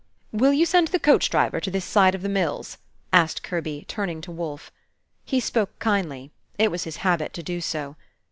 "Will you send the coach driver to this side of the mills?" asked Kirby, turning to Wolfe. He spoke kindly: it was his habit to do so.